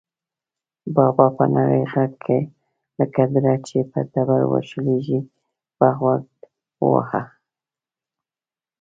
بابا په نري غږ لکه دړه چې په تبر وشلېږي، په غوږ وواهه.